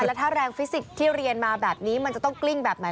แล้วถ้าแรงฟิสิกส์ที่เรียนมาแบบนี้มันจะต้องกลิ้งแบบไหน